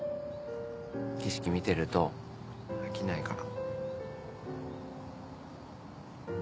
景色見てると飽きないから。